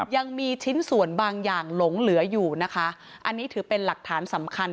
ยังมีชิ้นส่วนบางอย่างหลงเหลืออยู่นะคะอันนี้ถือเป็นหลักฐานสำคัญ